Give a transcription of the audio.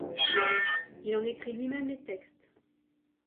Il en écrit lui-même les textes.